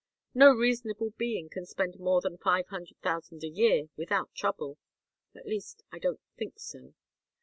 No reasonable being can spend more than five hundred thousand a year without trouble at least, I don't think so.